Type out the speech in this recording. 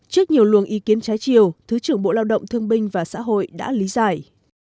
trước nhiều luồng ý kiến trái chiều thứ trưởng bộ lao động thương binh và xã hội đã lý giải